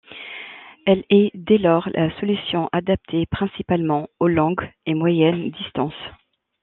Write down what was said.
Elle est dès lors, la solution adaptée principalement aux longues et moyennes distances.